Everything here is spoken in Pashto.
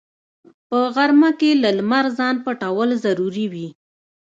په غرمه کې له لمره ځان پټول ضروري وي